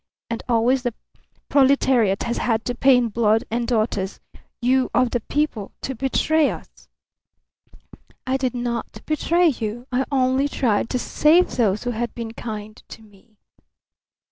And always the proletariat has had to pay in blood and daughters. You, of the people, to betray us!" "I did not betray you. I only tried to save those who had been kind to me."